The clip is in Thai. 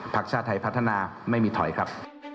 ชาติไทยพัฒนาไม่มีถอยครับ